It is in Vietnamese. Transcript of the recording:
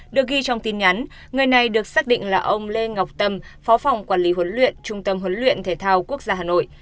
được ghi trong tin nhắn người này được xác định là ông lê ngọc tâm phó phòng quản lý huấn luyện trung tâm huấn luyện thể thao quốc gia hà nội